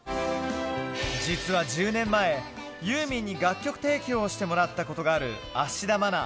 実は１０年前、ユーミンに楽曲提供をしてもらったことがある芦田愛菜。